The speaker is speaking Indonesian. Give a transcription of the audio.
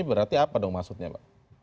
berarti apa dong maksudnya pak